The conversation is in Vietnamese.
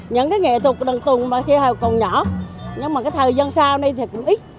những cái nghệ thuật đoàn tuồng mà khi hồi còn nhỏ nhưng mà cái thời gian sau này thì cũng ít